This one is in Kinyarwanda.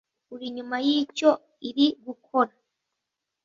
uri nyuma y’icyo iri gukora.